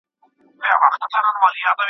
سترګو ډاکټران څه معاینه کوي؟